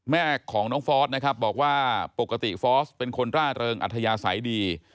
แม่ของน้องฟอสนะครับบอกว่าปกติฟอร์สเป็นคนร่าเริงอัธยาศัยดี